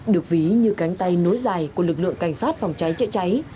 được ví như cánh tay nối dài của lực lượng cảnh sát phòng cháy chữa cháy